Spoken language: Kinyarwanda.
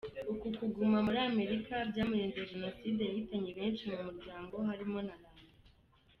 Uku kuguma muri Amerika, byamurinze Jenoside yahitanye benshi mu muryango harimo na Lando.